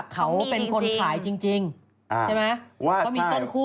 เขาเป็นคนขายจริง